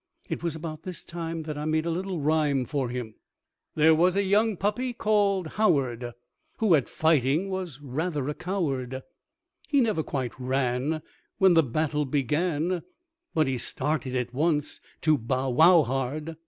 It was about this time that I made a little rhyme for him: There was a young puppy called Howard, Who at fighting was rather a coward; He never quite ran When the battle began, But he started at once to bow wow hard.